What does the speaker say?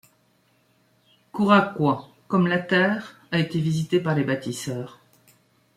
Quraqua, comme la Terre, a été visité par les bâtisseurs.